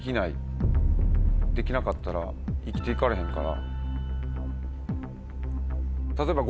できなかったら生きて行かれへんから。